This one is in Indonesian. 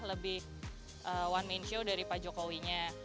lebih one main show dari pak jokowi nya